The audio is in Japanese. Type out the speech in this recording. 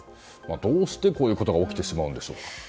どうして、こういうことが起きてしまうんでしょうか？